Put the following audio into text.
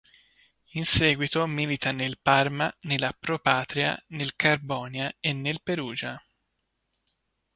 In seguito milita nel Parma, nella Pro Patria, nel Carbonia e nel Perugia.